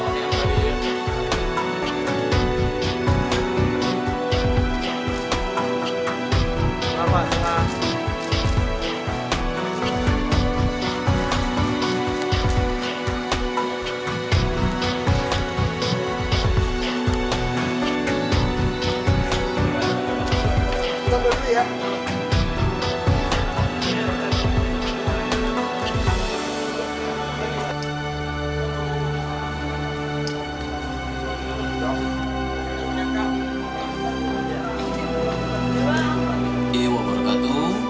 sebentar ya bas